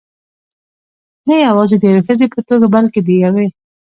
نه یوازې د یوې ښځې په توګه، بلکې د یوې .